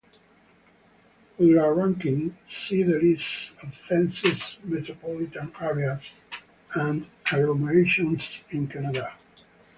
For their ranking, see the list of census metropolitan areas and agglomerations in Canada.